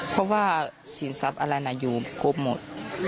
เพราะว่าสินทรัพย์อะไรอยู่ครบหมด